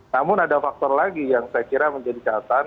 namun ada faktor lagi yang saya kira menjadi catatan